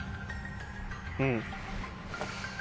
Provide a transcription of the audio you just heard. うん。